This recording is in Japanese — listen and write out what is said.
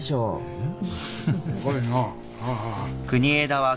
えっ？